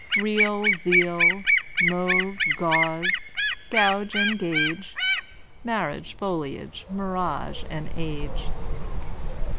Real, zeal; mauve, gauze and gauge; Marriage, foliage, mirage, age.